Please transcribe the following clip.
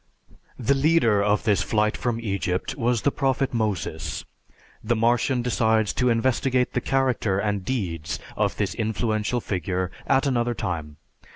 The leader of this flight from Egypt was the prophet Moses. The Martian decides to investigate the character and deeds of this influential figure at another time.